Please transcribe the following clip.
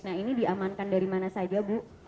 nah ini diamankan dari mana saja bu